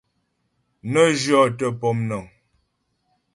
Nə jyɔ́tə pɔmnəŋ.